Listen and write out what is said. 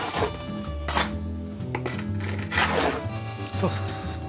そうそうそうそう。